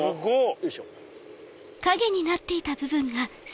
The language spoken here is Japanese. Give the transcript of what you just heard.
よいしょ。